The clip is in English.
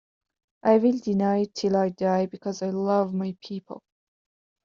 I will deny it till I die because I love my people.